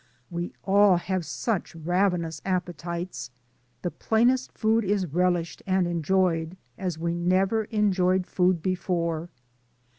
We all have such ravenous appetites, the plainest food is relished and enjoyed, as we never enjoyed food before.